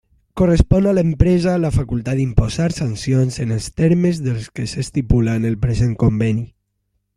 Correspon a l'empresa la facultat d'imposar sancions en els termes del que s'estipula en el present conveni.